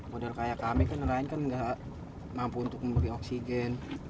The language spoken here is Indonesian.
model kayak kami kan nelayan kan nggak mampu untuk membeli oksigen